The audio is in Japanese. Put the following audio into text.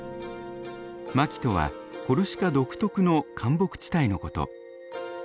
マキとはコルシカ独特の灌木地帯のこと。